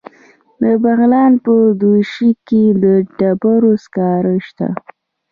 د بغلان په دوشي کې د ډبرو سکاره شته.